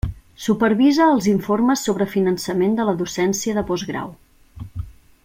Supervisa els informes sobre finançament de la docència de postgrau.